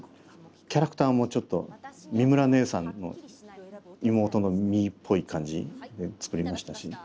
キャラクターもちょっとミムラねえさんの妹のミイっぽい感じで作りましたし。